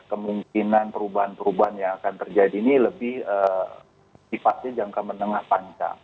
kemungkinan perubahan perubahan yang akan terjadi ini lebih sifatnya jangka menengah panjang